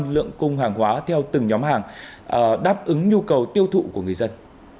một mươi ba mươi lượng cung hàng hóa theo từng nhóm hàng đáp ứng nhu cầu tiêu thụ của người dân